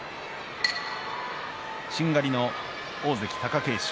しんがりの大関貴景勝